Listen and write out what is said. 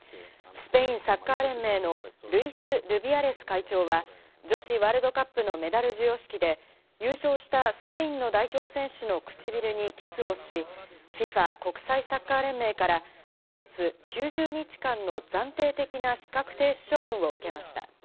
スペインサッカー連盟のルイス・ルビアレス会長は女子ワールドカップのメダル授与式で、優勝したスペインの代表選手の唇にキスをし、ＦＩＦＡ＝国際サッカー連盟から先月９０日間の暫定的な資格停止処分を受けました。